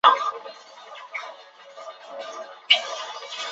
格尔贝尔斯豪森是德国图林根州的一个市镇。